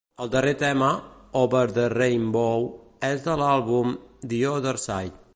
El darrer tema, "Over the Rainbow", és de l'àlbum "The Other Side".